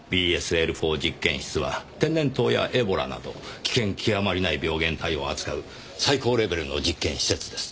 ＢＳＬ４実験室は天然痘やエボラなど危険極まりない病原体を扱う最高レベルの実験施設です。